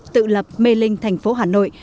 tự lập mê linh tp hà nội